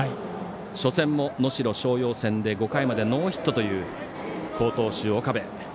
初戦も能代松陽戦で５回までノーヒットという好投手、岡部。